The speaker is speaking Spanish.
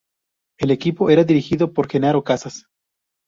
El equipo era dirigido por Genaro Casas.